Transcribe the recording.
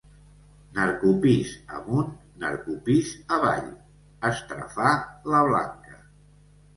Narcopís amunt, narcopís avall —estrafà la Blanca—.